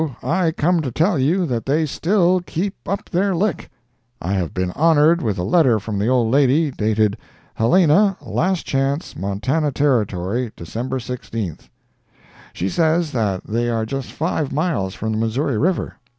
I come to tell you that they still "keep up their lick." I have been honored with a letter from the old lady, dated "Helena, Last Chance, Montana Territory, December 16." She says that they are just five miles from the Missouri river.